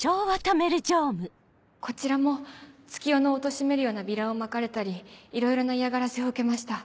こちらも月夜野をおとしめるようなビラをまかれたりいろいろな嫌がらせを受けました。